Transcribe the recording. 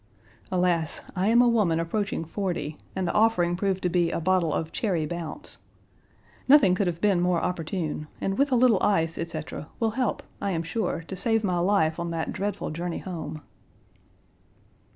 Alas! I am a woman approaching forty, and the offering proved to be a bottle of cherry bounce. Nothing could have been more opportune, and with a little ice, etc., will help, I am sure, to save my life on that dreadful journey home.